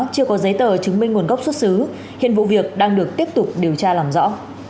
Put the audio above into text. chưa có giấy tờ chứng minh nguồn gốc xuất xứ hiện vụ việc đang được tiếp tục điều tra làm rõ